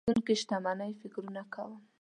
د راتلونکې شتمنۍ فکرونه کوم.